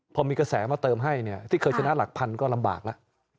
พอมีกระแสมาเติมให้เนี่ยที่เคยชนะหลักพันก็ลำบากแล้ว